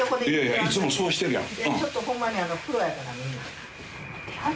いつもそうしてるやん。